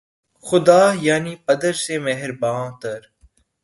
خدا‘ یعنی پدر سے مہرباں تر